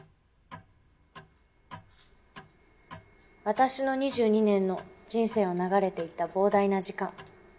私の２２年の人生を流れていた膨大な時間。